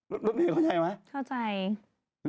น้องเจมส์เข้าใจไหมเข้าใจ